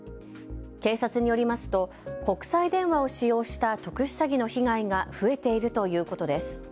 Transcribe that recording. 警察によりますと国際電話を使用した特殊詐欺の被害が増えているということです。